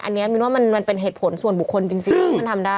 อันนี้มินว่ามันเป็นเหตุผลส่วนบุคคลจริงที่มันทำได้